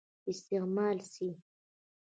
استعمال سي.